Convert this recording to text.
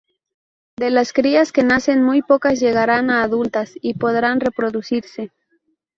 De las crías que nacen, muy pocas llegarán a adultas y podrán reproducirse.